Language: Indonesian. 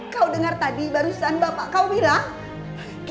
kau dengar tadi barusan bapak kau bilang